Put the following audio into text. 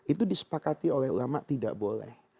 itu disepakati oleh ulama tidak boleh